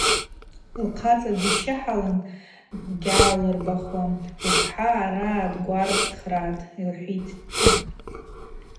Лхъацӏа дищыхӏалын дгьагӏлырбахуам: Упхӏа араъа дгварцӏыргӏатӏ, – лхӏвитӏта.